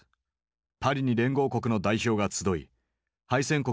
パリに連合国の代表が集い敗戦国